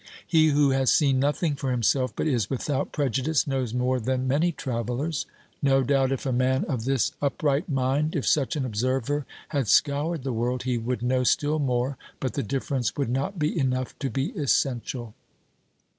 He who has seen nothing for himself, but is without preju dice, knows more than many travellers. No doubt if a man of this upright mind, if such an observer, had scoured the world, he would know still more, but the difference would not be enough to be essential.